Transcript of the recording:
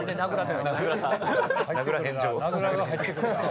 「名倉」が入ってくるなぁ。